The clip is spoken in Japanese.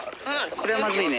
これはまずいね。